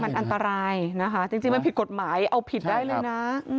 มันอันตรายนะคะจริงมันผิดกฎหมายแรกภาพนะ